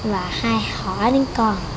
và hay hỏi đến con